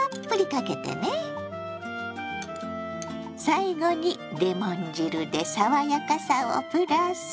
最後にレモン汁で爽やかさをプラス。